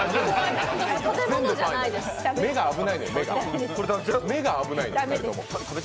目が危ないです。